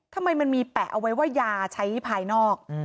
ทำไมมันมีแปะเอาไว้ว่ายาใช้ภายนอก